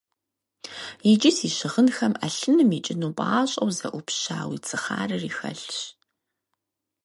Иджы си щыгъынхэм Ӏэлъыным икӀыну пӀащӀэу зэӀупща уи цыхъарри хэлъщ.